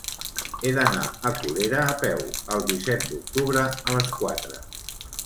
He d'anar a Colera a peu el disset d'octubre a les quatre.